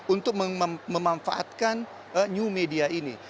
untuk memanfaatkan new media ini